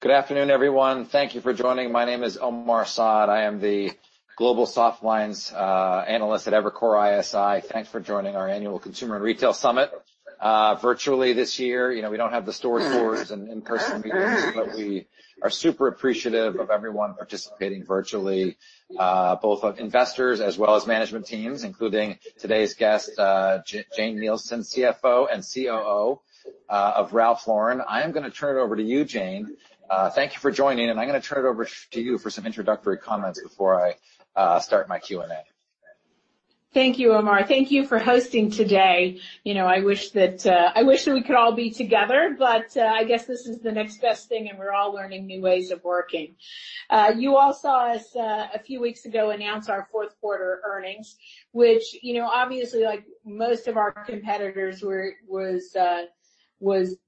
Good afternoon, everyone. Thank you for joining. My name is Omar Saad. I am the global softlines analyst at Evercore ISI. Thanks for joining our annual Consumer & Retail Summit, virtually this year. We don't have the store tours and in-person meetings, but we are super appreciative of everyone participating virtually, both of investors as well as management teams, including today's guest, Jane Nielsen, CFO and COO of Ralph Lauren. I am going to turn it over to you, Jane. Thank you for joining, and I'm going to turn it over to you for some introductory comments before I start my Q&A. Thank you, Omar. Thank you for hosting today. I wish that we could all be together, but I guess this is the next best thing, and we're all learning new ways of working. You all saw us, a few weeks ago, announce our fourth quarter earnings, which, obviously, like most of our competitors, was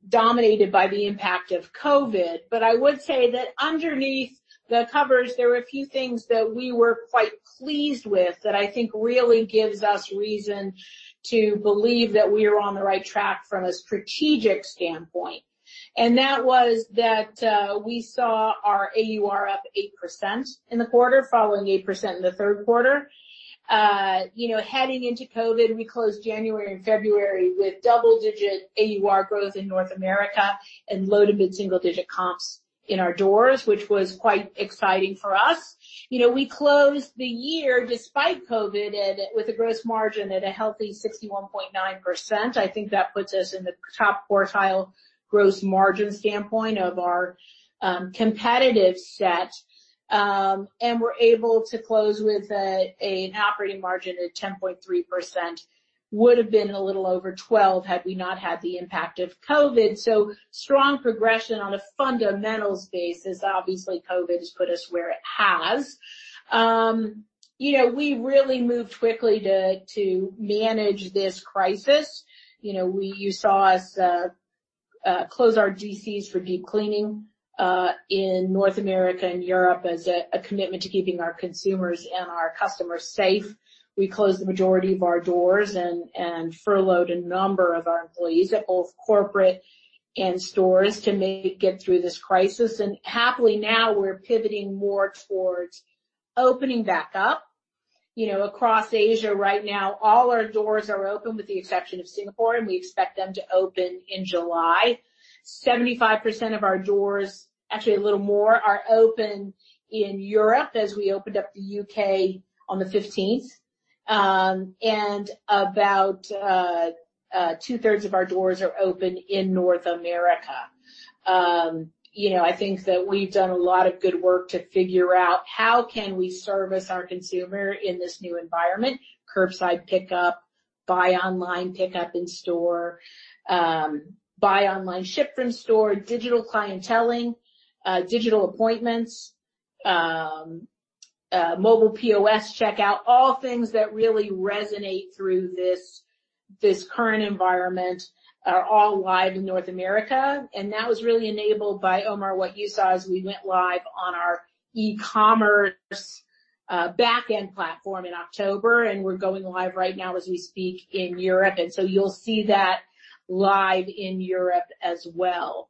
dominated by the impact of COVID. I would say that underneath the covers, there were a few things that we were quite pleased with that I think really gives us reason to believe that we are on the right track from a strategic standpoint. That was that we saw our AUR up 8% in the quarter, following 8% in the third quarter. Heading into COVID, we closed January and February with double-digit AUR growth in North America and low-to-mid single-digit comps in our doors, which was quite exciting for us. We closed the year, despite COVID, and with a gross margin at a healthy 61.9%. I think that puts us in the top quartile, gross margin standpoint of our competitive set. We were able to close with an operating margin at 10.3%, would've been a little over 12 had we not had the impact of COVID. Strong progression on a fundamentals basis. Obviously, COVID has put us where it has. We really moved quickly to manage this crisis. You saw us close our DCs for deep cleaning in North America and Europe as a commitment to keeping our consumers and our customers safe. We closed the majority of our doors and furloughed a number of our employees at both corporate and stores to make it through this crisis. Happily, now, we're pivoting more towards opening back up. Across Asia right now, all our doors are open with the exception of Singapore, and we expect them to open in July. 75% of our doors, actually a little more, are open in Europe as we opened up the U.K. on the 15th. About two-thirds of our doors are open in North America. I think that we've done a lot of good work to figure out how can we service our consumer in this new environment, curbside pickup, buy online pickup in store, buy online ship from store, digital clienteling, digital appointments, mobile POS checkout, all things that really resonate through this current environment are all live in North America. That was really enabled by, Omar, what you saw as we went live on our e-commerce backend platform in October, and we're going live right now as we speak in Europe. You'll see that live in Europe as well.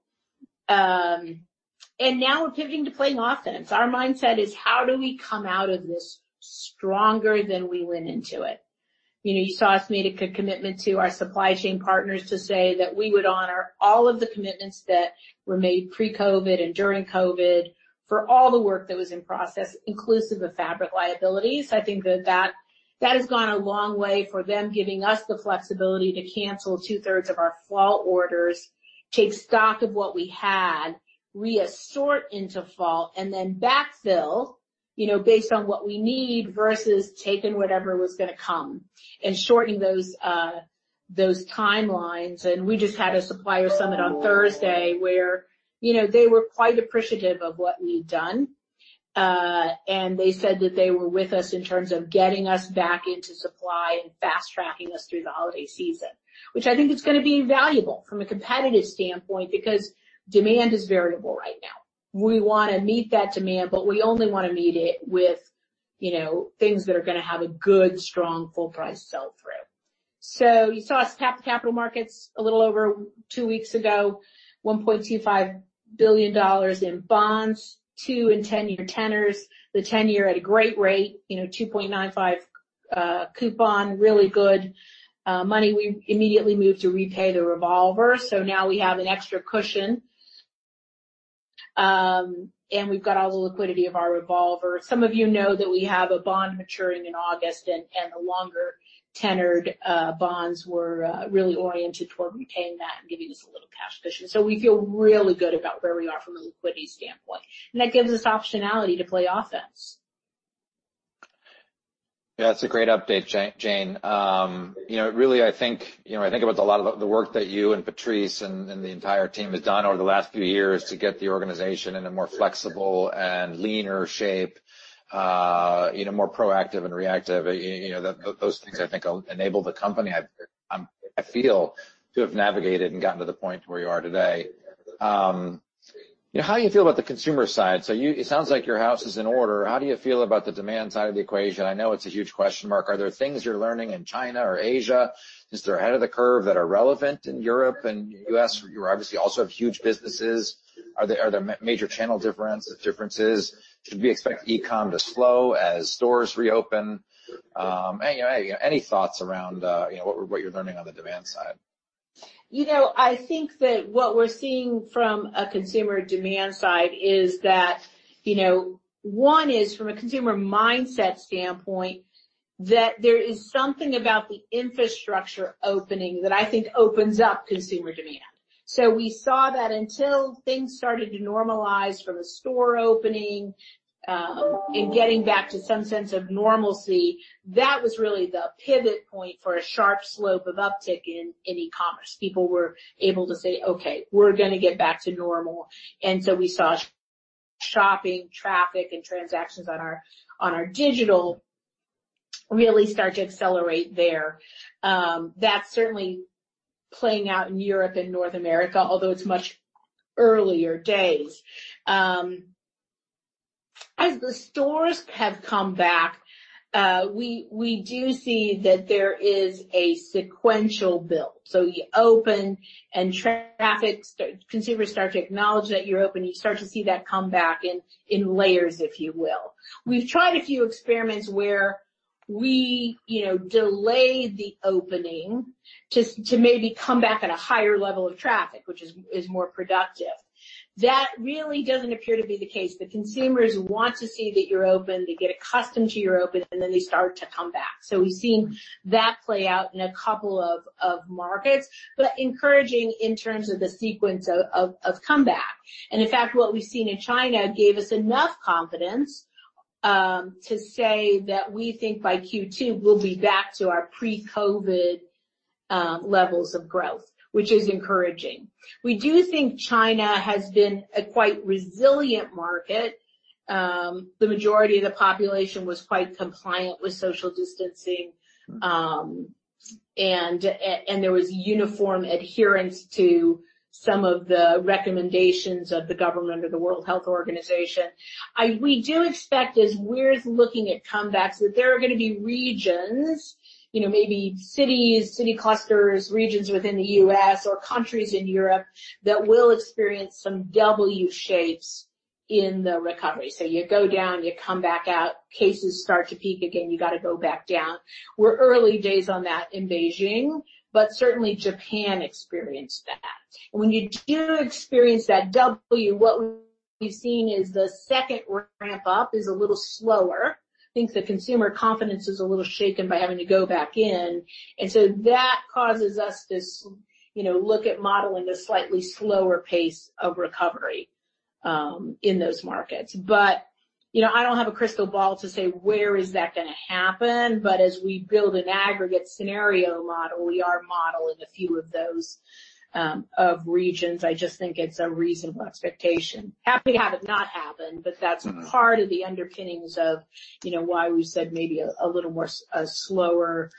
Now we're pivoting to playing offense. Our mindset is how do we come out of this stronger than we went into it. You saw us make a commitment to our supply chain partners to say that we would honor all of the commitments that were made pre-COVID and during COVID for all the work that was in process, inclusive of fabric liabilities. I think that has gone a long way for them, giving us the flexibility to cancel two-thirds of our fall orders, take stock of what we had, re-assort into fall, and then backfill based on what we need, versus taking whatever was going to come and shortening those timelines. We just had a supplier summit on Thursday, where they were quite appreciative of what we'd done. They said that they were with us in terms of getting us back into supply and fast-tracking us through the holiday season, which I think is going to be valuable from a competitive standpoint because demand is variable right now. We want to meet that demand; we only want to meet it with things that are going to have a good, strong, full price sell-through. You saw us tap the capital markets a little over two weeks ago, $1.25 billion in bonds, two and 10-year tenors, the 10-year at a great rate, 2.95 coupon, really good money. We immediately moved to repay the revolver. Now we have an extra cushion. We've got all the liquidity of our revolver. Some of you know that we have a bond maturing in August, and the longer tenored bonds were really oriented toward repaying that and giving us a little cash cushion. We feel really good about where we are from a liquidity standpoint, and that gives us optionality to play offense. Yeah, that's a great update, Jane. Really, I think about a lot of the work that you and Patrice and the entire team has done over the last few years to get the organization in a more flexible and leaner shape, more proactive than reactive. Those things, I think, enable the company, I feel, to have navigated and gotten to the point where you are today. Yeah. How do you feel about the consumer side? It sounds like your house is in order. How do you feel about the demand side of the equation? I know it's a huge question mark. Are there things you're learning in China or Asia? Is there ahead of the curve that are relevant in Europe and U.S., where you obviously also have huge businesses? Are there major channel differences? Should we expect e-comm to slow as stores reopen? Any thoughts around what you're learning on the demand side? I think that what we're seeing from a consumer demand side is that, one is from a consumer mindset standpoint, that there is something about the infrastructure opening that I think opens up consumer demand. We saw that until things started to normalize from a store opening, and getting back to some sense of normalcy, that was really the pivot point for a sharp slope of uptick in e-commerce. People were able to say, "Okay, we're going to get back to normal." We saw shopping traffic and transactions on our digital really start to accelerate there. That's certainly playing out in Europe and North America, although it's much earlier days. As the stores have come back, we do see that there is a sequential build. You open, and traffic starts; consumers start to acknowledge that you're open. You start to see that come back in layers, if you will. We've tried a few experiments where we delay the opening to maybe come back at a higher level of traffic, which is more productive. That really doesn't appear to be the case; consumers want to see that you're open. They get accustomed to you're open, they start to come back. We've seen that play out in a couple of markets, but encouraging in terms of the sequence of comeback. In fact, what we've seen in China gave us enough confidence to say that we think by Q2 we'll be back to our pre-COVID levels of growth, which is encouraging. We do think China has been a quite resilient market. The majority of the population was quite compliant with social distancing, and there was uniform adherence to some of the recommendations of the government or the World Health Organization. We do expect, as we're looking at comebacks, that there are going to be regions, maybe cities, city clusters, regions within the U.S. or countries in Europe that will experience some W shapes in the recovery. You go down, you come back out, cases start to peak again, you got to go back down. We're early days on that in Beijing, but certainly Japan experienced that. When you do experience that W, what we've seen is the second ramp-up is a little slower. I think the consumer confidence is a little shaken by having to go back in. That causes us to look at modeling a slightly slower pace of recovery in those markets. I don't have a crystal ball to say where is that going to happen. As we build an aggregate scenario model, we are modeling a few of those of regions. I just think it's a reasonable expectation. Happy to have it not happen, but that's part of the underpinnings of why we said maybe a little more, a slower,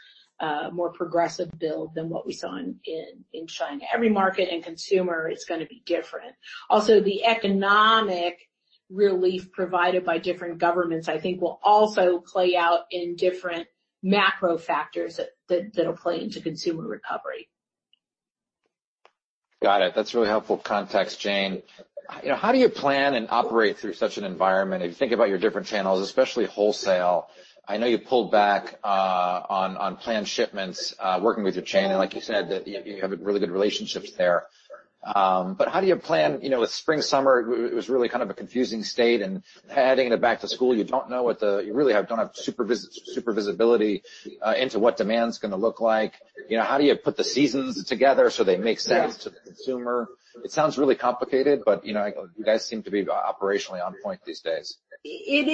more progressive build than what we saw in China. Every market and consumer is going to be different. The economic relief provided by different governments, I think, will also play out in different macro factors that'll play into consumer recovery. Got it. That's really helpful context, Jane. How do you plan and operate through such an environment? If you think about your different channels, especially wholesale, I know you pulled back on planned shipments, working with your chain, and, like you said, that you have really good relationships there. How do you plan with spring/summer? It was really kind of a confusing state, and adding in a back-to-school, you really don't have super visibility into what demand's going to look like. How do you put the seasons together so they make sense to the consumer? It sounds really complicated, but you guys seem to be operationally on point these days. It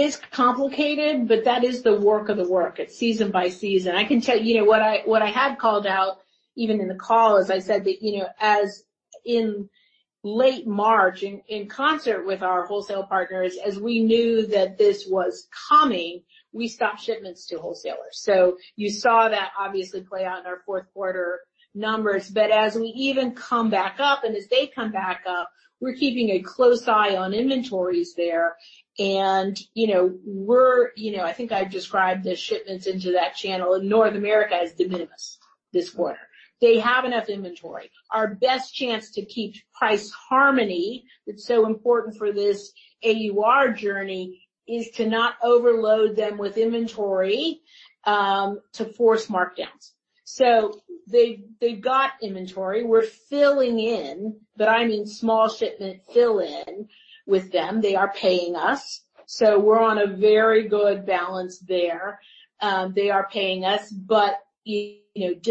is complicated, but that is the work of the work. It's season by season. I can tell you what I had called out, even in the call, is I said that, as in late March, in concert with our wholesale partners, as we knew that this was coming, we stopped shipments to wholesalers. You saw that obviously play out in our fourth quarter numbers. As we even come back up, and as they come back up, we're keeping a close eye on inventories there. I think I've described the shipments into that channel in North America as de minimis this quarter. They have enough inventory. Our best chance to keep price harmony, that's so important for this AUR journey, is to not overload them with inventory to force markdowns. They've got inventory. We're filling in, but I mean small shipment fill in with them. They are paying us, so we're on a very good balance there. They are paying us, but de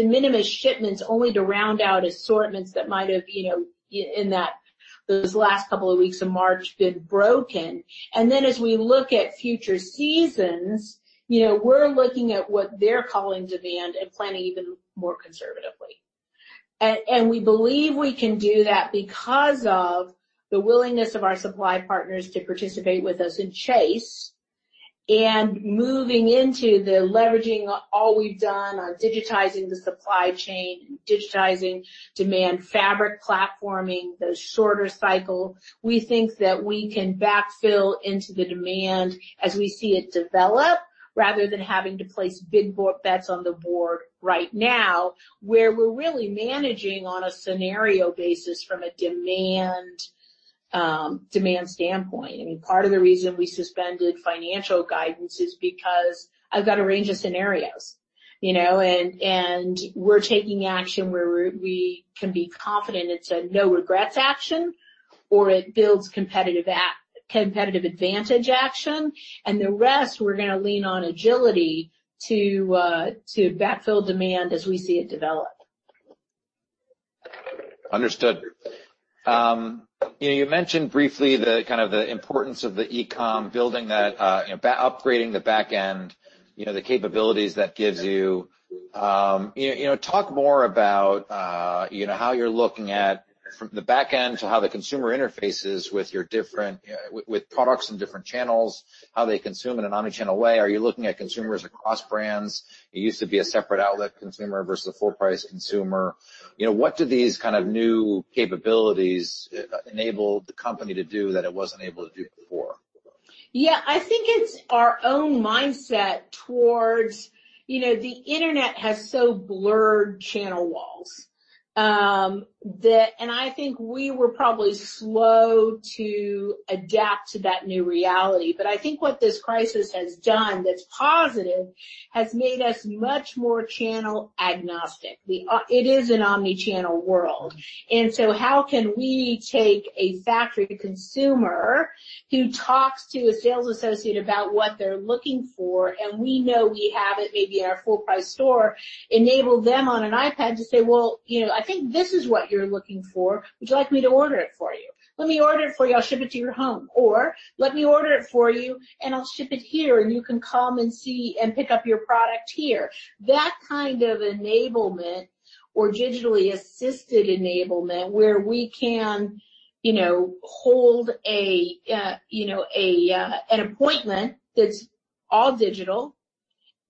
minimis shipments only to round out assortments that might have, in those last couple of weeks of March, been broken. As we look at future seasons, we're looking at what they're calling demand and planning even more conservatively. We believe we can do that because of the willingness of our supply partners to participate with us and chase. Moving into the leveraging all we've done on digitizing the supply chain, digitizing demand fabric platforming, the shorter cycle, we think that we can backfill into the demand as we see it develop, rather than having to place big bets on the board right now, where we're really managing on a scenario basis from a demand standpoint. Part of the reason we suspended financial guidance is because I've got a range of scenarios, and we're taking action where we can be confident it's a no-regrets action or it builds competitive advantage action, and the rest we're going to lean on agility to backfill demand as we see it develop. Understood. You mentioned briefly the importance of the e-com, upgrading the back end, the capabilities that gives you. Talk more about how you're looking at from the back end to how the consumer interfaces with products and different channels, how they consume in an omnichannel way. Are you looking at consumers across brands? It used to be a separate outlet consumer versus a full-price consumer. What do these kind of new capabilities enable the company to do that it wasn't able to do before? Yeah. I think it's our own mindset towards the internet has so blurred channel walls. I think we were probably slow to adapt to that new reality. I think what this crisis has done that's positive has made us much more channel-agnostic. It is an omnichannel world, and so how can we take a factory to consumer who talks to a sales associate about what they're looking for, and we know we have it maybe at our full price store, enable them on an iPad to say, "Well, I think this is what you're looking for. Would you like me to order it for you? Let me order it for you. I'll ship it to your home." Or, "Let me order it for you, and I'll ship it here, and you can come and see and pick up your product here." That kind of enablement or digitally assisted enablement, where we can hold an appointment that's all digital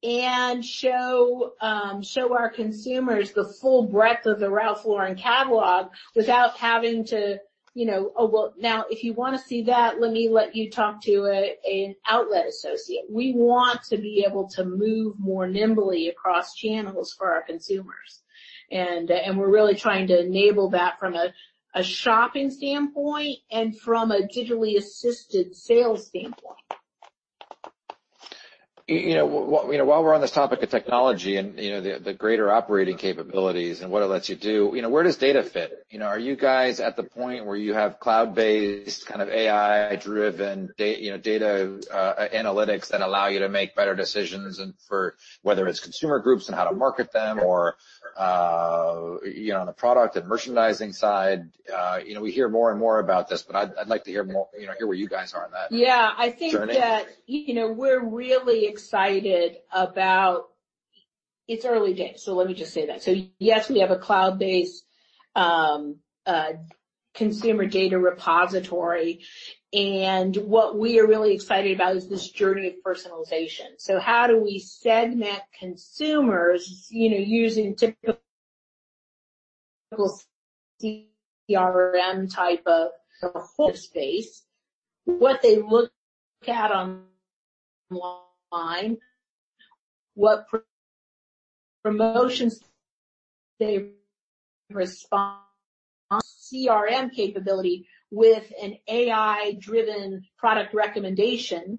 and show our consumers the full breadth of the Ralph Lauren catalog without having to, "Oh, well, now if you want to see that, let me let you talk to an outlet associate." We want to be able to move more nimbly across channels for our consumers. We're really trying to enable that from a shopping standpoint and from a digitally assisted sales standpoint. While we're on this topic of technology and the greater operating capabilities and what it lets you do, where does data fit? Are you guys at the point where you have cloud-based, AI-driven data analytics that allow you to make better decisions and for whether it's consumer groups and how to market them or on the product and merchandising side? We hear more and more about this, but I'd like to hear where you guys are on that. Yeah. I think that we're really excited about its early days, so let me just say that. Yes, we have a cloud-based consumer data repository, and what we are really excited about is this journey of personalization. How do we segment consumers, using typical CRM type of space, what they look at online, what promotions they respond CRM capability with an AI-driven product recommendation,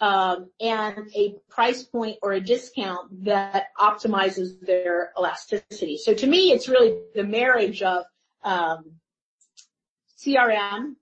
and a price point or a discount that optimizes their elasticity. To me, it's really the marriage of CRM,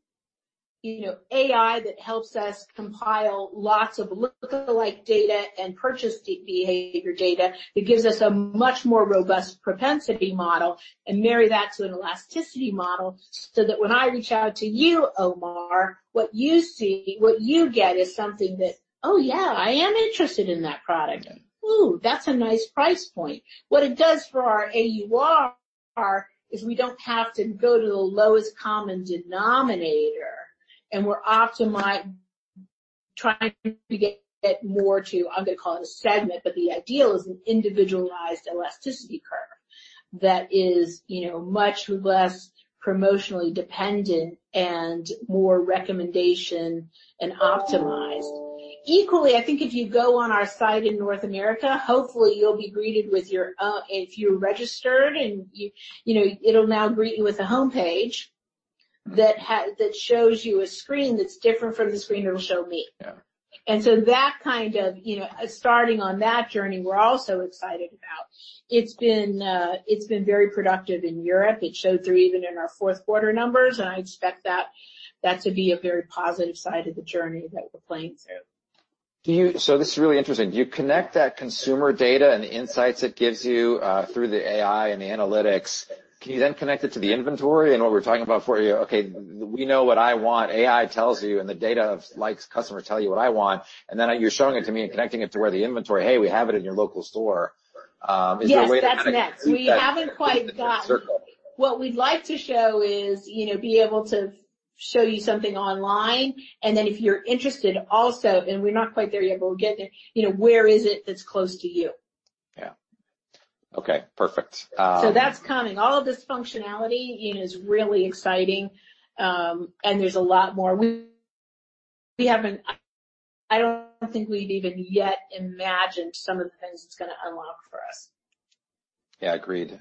AI that helps us compile lots of lookalike data and purchase behavior data that gives us a much more robust propensity model, and marry that to an elasticity model, so that when I reach out to you, Omar, what you see, what you get is something that, "Oh, yeah, I am interested in that product. Ooh, that's a nice price point." What it does for our AUR is we don't have to go to the lowest common denominator, and we're trying to get more to, I'm going to call it a segment, but the ideal is an individualized elasticity curve that is much less promotionally dependent and more recommendation and optimized. Equally, I think if you go on our site in North America, hopefully you'll be greeted with your If you're registered, it'll now greet you with a homepage that shows you a screen that's different from the screen it'll show me. Yeah. Starting on that journey, we're also excited about. It's been very productive in Europe. It showed through even in our fourth quarter numbers. I expect that to be a very positive side of the journey that we're playing through. This is really interesting. Do you connect that consumer data and the insights it gives you, through the AI and the analytics, can you then connect it to the inventory and what we were talking about for you? Okay, we know what I want, AI tells you, and the data like customer tell you what I want, and then you're showing it to me and connecting it to where the inventory, "Hey, we have it in your local store. Yes, that's next. We haven't quite got it. What we'd like to show is to be able to show you something online, and then if you're interested, also, and we're not quite there yet, but we'll get there, where is it that's close to you? Yeah. Okay, perfect. That's coming. All of this functionality is really exciting, and there's a lot more I don't think we've even yet imagined some of the things it's going to unlock for us. Yeah, agreed.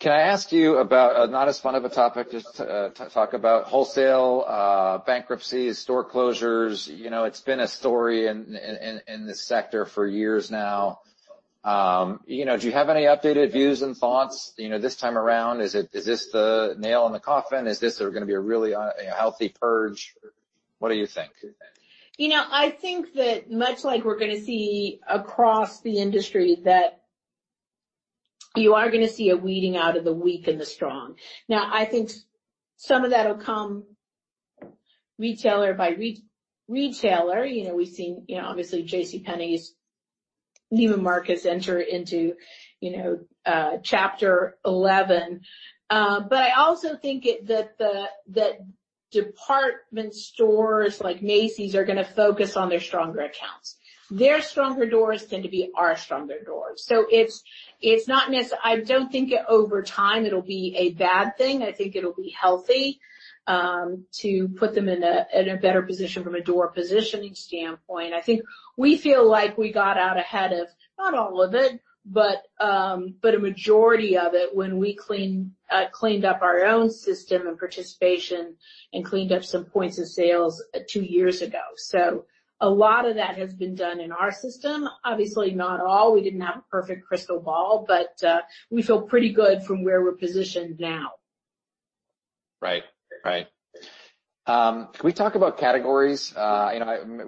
Can I ask you about, not as fun of a topic, just to talk about wholesale bankruptcies, store closures? It's been a story in this sector for years now. Do you have any updated views and thoughts this time around? Is this the nail in the coffin? Is this going to be a really healthy purge? What do you think? I think that much like we're going to see across the industry, that you are going to see a weeding out of the weak and the strong. I think some of that'll come retailer by retailer. We've seen, obviously, JCPenney, Neiman Marcus enter into Chapter 11. I also think that department stores like Macy's are going to focus on their stronger accounts. Their stronger doors tend to be our stronger doors. I don't think over time it'll be a bad thing. I think it'll be healthy to put them in a better position from a door positioning standpoint. I think we feel like we got out ahead of, not all of it, but a majority of it, when we cleaned up our own system and participation and cleaned up some points of sales two years ago. A lot of that has been done in our system. Obviously, not all, we didn't have a perfect crystal ball, but we feel pretty good from where we're positioned now. Right. Can we talk about categories? We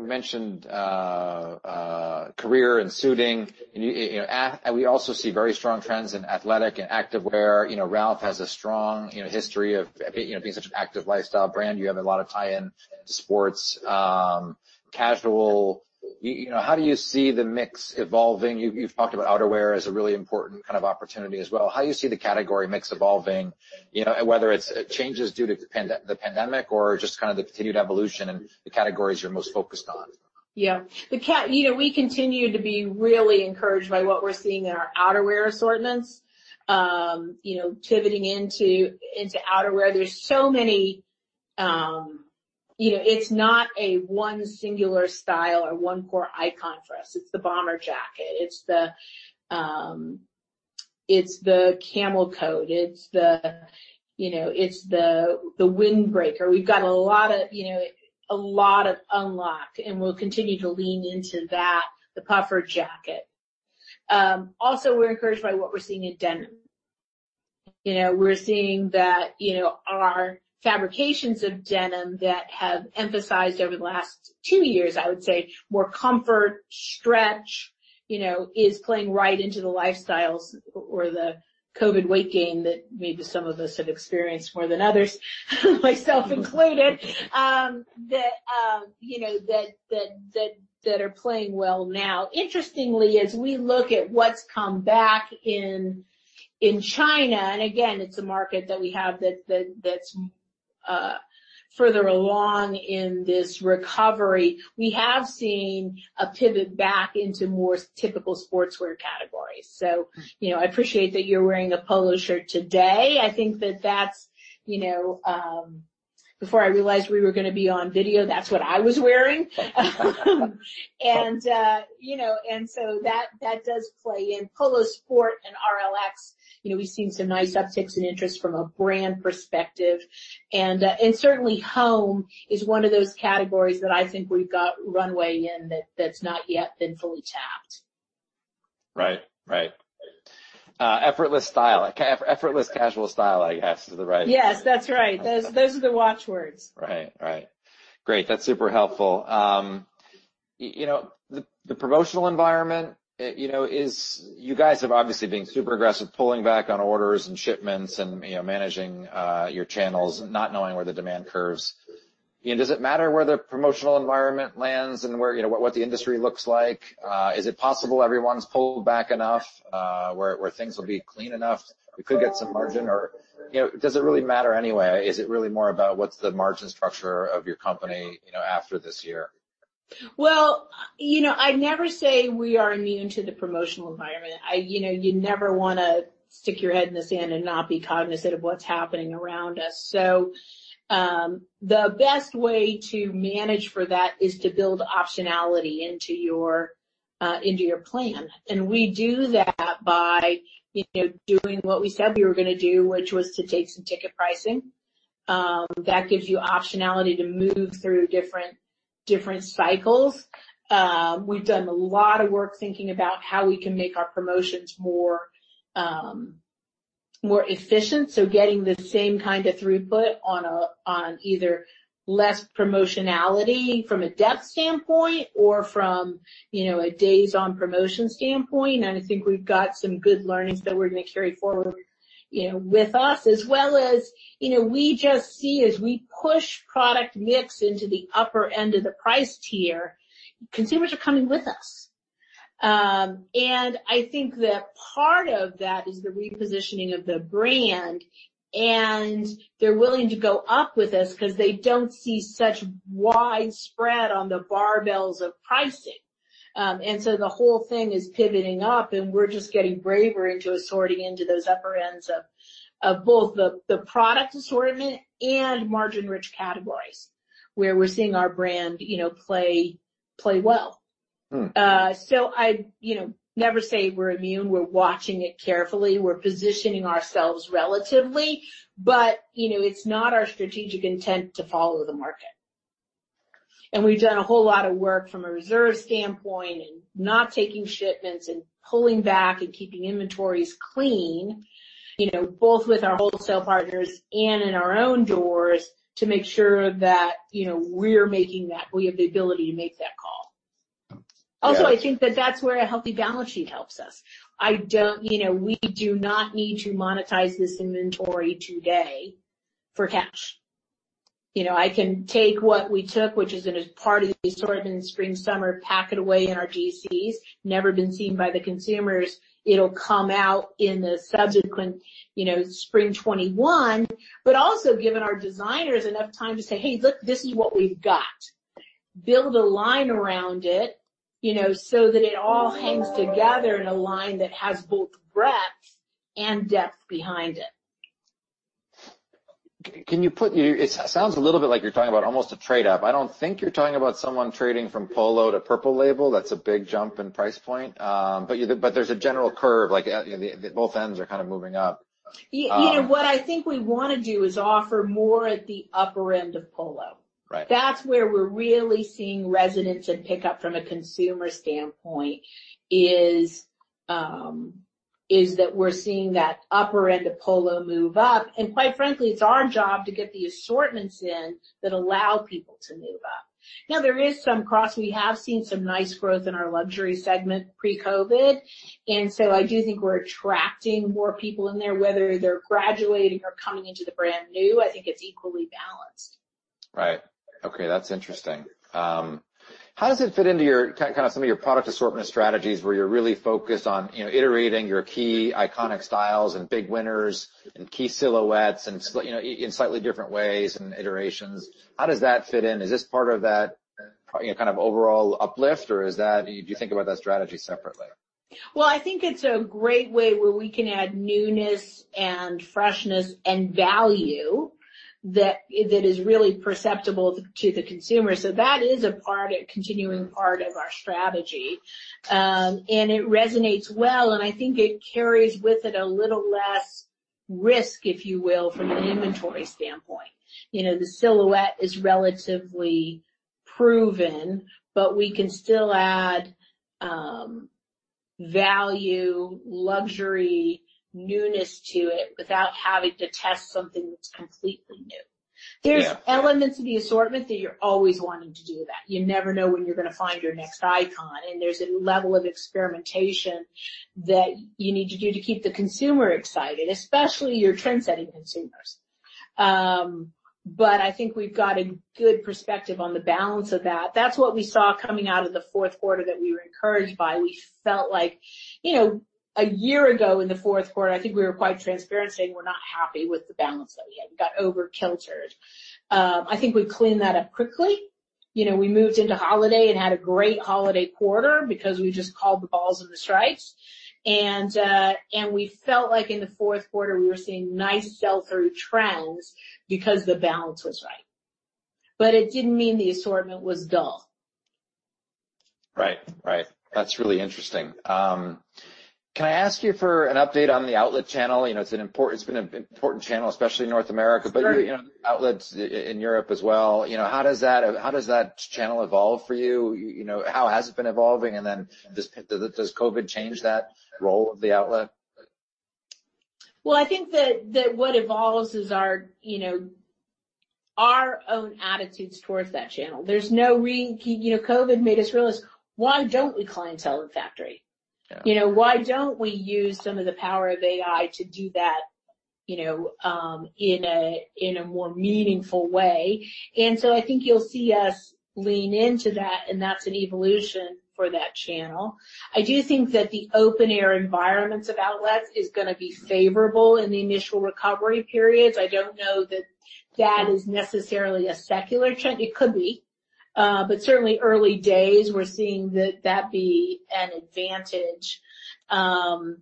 mentioned career and suiting, and we also see very strong trends in athletic and activewear. Ralph has a strong history of being such an active lifestyle brand. You have a lot of tie-in to sports casual. How do you see the mix evolving? You've talked about outerwear as a really important kind of opportunity as well. How do you see the category mix evolving, whether it's changes due to the pandemic or just kind of the continued evolution and the categories you're most focused on? Yeah. We continue to be really encouraged by what we're seeing in our outerwear assortments. Pivoting into outerwear, it's not a one singular style or one core icon for us. It's the bomber jacket, it's the camel coat, it's the windbreaker. We've got a lot of unlock, and we'll continue to lean into that. The puffer jacket. Also, we're encouraged by what we're seeing in denim. We're seeing that our fabrications of denim that have emphasized over the last two years, I would say, more comfort, stretch, is playing right into the lifestyles or the COVID weight gain that maybe some of us have experienced more than others, myself included, that are playing well now. Interestingly, as we look at what's come back in China, and again, it's a market that we have that's further along in this recovery, we have seen a pivot back into more typical sportswear categories. I appreciate that you're wearing a Polo shirt today. I think that that's, before I realized we were going to be on video, that's what I was wearing. That does play in. Polo Sport and RLX, we've seen some nice upticks in interest from a brand perspective. Certainly, home is one of those categories that I think we've got runway in that's not yet been fully tapped. Right. Effortless style. Effortless casual style, I guess, is the right- Yes, that's right. Those are the watchwords. Right. Great. That's super helpful. The promotional environment. You guys have obviously been super aggressive, pulling back on orders and shipments and managing your channels, not knowing where the demand curves. Does it matter where the promotional environment lands and what the industry looks like? Is it possible everyone's pulled back enough where things will be clean enough, we could get some margin? Does it really matter anyway? Is it really more about what's the margin structure of your company after this year? Well, I never say we are immune to the promotional environment. You never want to stick your head in the sand and not be cognizant of what's happening around us. The best way to manage for that is to build optionality into your plan. We do that by doing what we said we were going to do, which was to take some ticket pricing. That gives you optionality to move through different cycles. We've done a lot of work thinking about how we can make our promotions more efficient, so getting the same kind of throughput on either less promotionality from a depth standpoint or from a days on promotion standpoint, and I think we've got some good learnings that we're going to carry forward with us. We just see as we push product mix into the upper end of the price tier, consumers are coming with us. I think that part of that is the repositioning of the brand, and they're willing to go up with us because they don't see such widespread on the barbells of pricing. The whole thing is pivoting up, and we're just getting braver into assorting into those upper ends of both the product assortment and margin-rich categories, where we're seeing our brand play well. I never say we're immune. We're watching it carefully. We're positioning ourselves relatively, but it's not our strategic intent to follow the market. We've done a whole lot of work from a reserve standpoint and not taking shipments and pulling back, and keeping inventories clean, both with our wholesale partners and in our own doors, to make sure that we have the ability to make that call. Yeah. I think that's where a healthy balance sheet helps us. We do not need to monetize this inventory today for cash. I can take what we took, which is in a part of the assortment spring, summer, pack it away in our DCs, never been seen by the consumers. It'll come out in the subsequent spring 2021. Given our designers enough time to say, "Hey, look, this is what we've got." Build a line around it, so that it all hangs together in a line that has both breadth and depth behind it. It sounds a little bit like you're talking about almost a trade-up. I don't think you're talking about someone trading from Polo to Purple Label. That's a big jump in price point. There's a general curve; both ends are kind of moving up. What I think we want to do is offer more at the upper end of Polo. Right. That's where we're really seeing resonance and pickup from a consumer standpoint, is that we're seeing that upper end of Polo move up. Quite frankly, it's our job to get the assortments in that allow people to move up. Now, there is some cross. We have seen some nice growth in our luxury segment pre-COVID, and so I do think we're attracting more people in there, whether they're graduating or coming into the brand new, I think it's equally balanced. Right. Okay. That's interesting. How does it fit into some of your product assortment strategies where you're really focused on iterating your key iconic styles and big winners and key silhouettes in slightly different ways and iterations? How does that fit in? Is this part of that overall uplift, or do you think about that strategy separately? Well, I think it's a great way where we can add newness and freshness and value that is really perceptible to the consumer. That is a continuing part of our strategy. It resonates well, and I think it carries with it a little less risk, if you will, from an inventory standpoint. The silhouette is relatively proven, but we can still add value, luxury, newness to it without having to test something that's completely new. Yeah. There are elements of the assortment that you're always wanting to do that. You never know when you're going to find your next icon, and there's a level of experimentation that you need to do to keep the consumer excited, especially your trend-setting consumers. I think we've got a good perspective on the balance of that. That's what we saw coming out of the fourth quarter that we were encouraged by. We felt like a year ago in the fourth quarter, I think we were quite transparent, saying we're not happy with the balance that we had. We got over-indexed. I think we cleaned that up quickly. We moved into holiday and had a great holiday quarter because we just called the balls and the strikes. We felt like in the fourth quarter, we were seeing nice sell-through trends because the balance was right. It didn't mean the assortment was dull. Right. That's really interesting. Can I ask you for an update on the outlet channel? It's been an important channel, especially in North America outlets in Europe as well. How does that channel evolve for you? How has it been evolving, and then does COVID change that role of the outlet? Well, I think that what evolves is our own attitudes towards that channel. COVID made us realize, why don't we clientele the factory? Yeah. Why don't we use some of the power of AI to do that in a more meaningful way? I think you'll see us lean into that, and that's an evolution for that channel. I do think that the open-air environments of outlets is going to be favorable in the initial recovery periods. I don't know that that is necessarily a secular trend. It could be. Certainly early days, we're seeing that be an advantage. I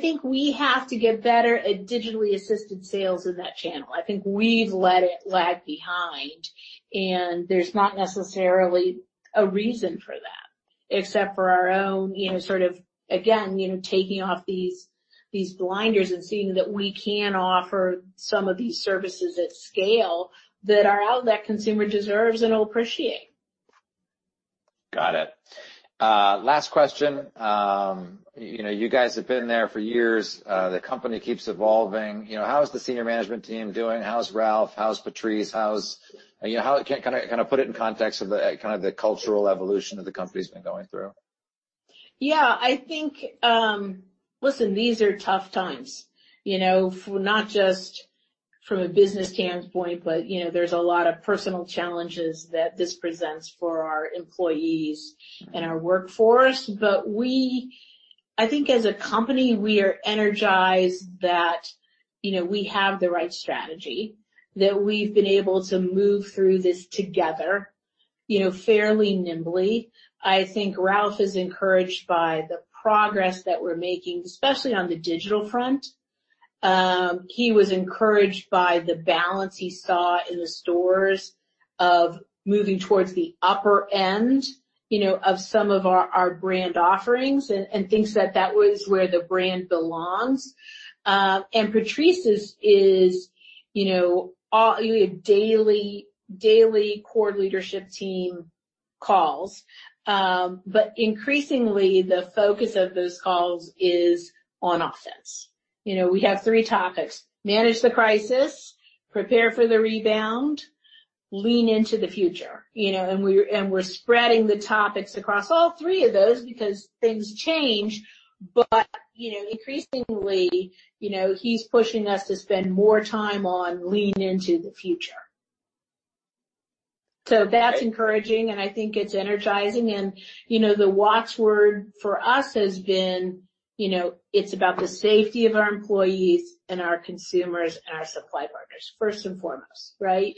think we have to get better at digitally assisted sales in that channel. I think we've let it lag behind, and there's not necessarily a reason for that except for our own, again, taking off these blinders and seeing that we can offer some of these services at scale that our outlet consumer deserves and will appreciate. Got it. Last question. You guys have been there for years. The company keeps evolving. How is the senior management team doing? How's Ralph? How's Patrice? Put it in context of the cultural evolution that the company's been going through. Yeah. Listen, these are tough times. Not just from a business standpoint, but there's a lot of personal challenges that this presents for our employees and our workforce. I think as a company, we are energized that we have the right strategy. That we've been able to move through this together fairly nimbly. I think Ralph is encouraged by the progress that we're making, especially on the digital front. He was encouraged by the balance he saw in the stores of moving towards the upper end of some of our brand offerings, and thinks that that was where the brand belongs. Patrice is a daily core leadership team calls. Increasingly, the focus of those calls is on offense. We have three topics. Manage the crisis, prepare for the rebound, lean into the future. We're spreading the topics across all three of those because things change. Increasingly, he's pushing us to spend more time on lean into the future. That's encouraging, I think it's energizing, the watchword for us has been it's about the safety of our employees and our consumers and our supply partners first and foremost, right?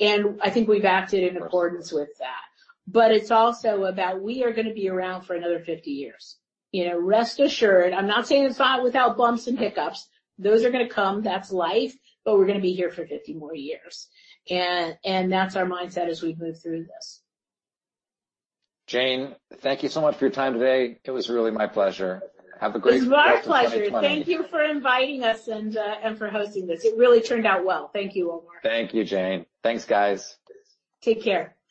I think we've acted in accordance with that. It's also about we are going to be around for another 50 years. Rest assured, I'm not saying it's without bumps and hiccups. Those are going to come. That's life. We're going to be here for 50 more years. That's our mindset as we move through this. Jane, thank you so much for your time today. It was really my pleasure. Have a great rest of 2020. It was my pleasure. Thank you for inviting us and for hosting this. It really turned out well. Thank you, Omar. Thank you, Jane. Thanks, guys. Take care.